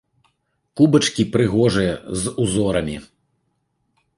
Кубачкі прыгожыя, з узорамі.